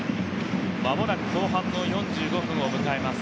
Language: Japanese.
間もなく後半の４５分を迎えます。